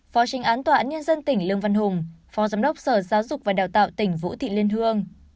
phó tranh án tòa án nhân dân tỉnh lương văn hùng phó giám đốc sở giáo dục và đào tạo tỉnh vũ thị liên hương